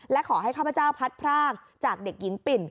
และขอให้ข้าพเจ้าพัดพรากจากเด็กหญิงปิ่น